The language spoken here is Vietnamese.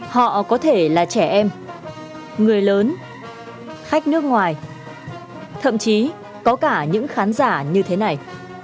họ có thể là trẻ em người lớn khách nước ngoài thậm chí có cả những khán giả như thế này